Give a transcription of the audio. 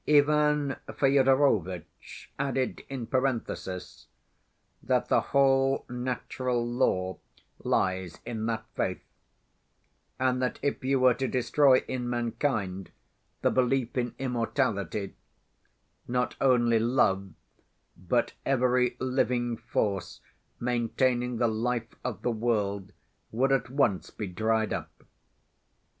Ivan Fyodorovitch added in parenthesis that the whole natural law lies in that faith, and that if you were to destroy in mankind the belief in immortality, not only love but every living force maintaining the life of the world would at once be dried up.